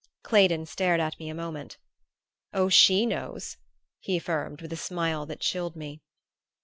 Claydon stared at me a moment. "Oh, she knows," he affirmed with a smile that chilled me.